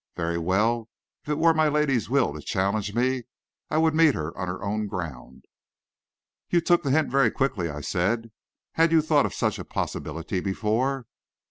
Very well; if it were my lady's will to challenge me, I would meet her on her own ground. "You took the hint very quickly," I said. "Had you thought of such a possibility before?"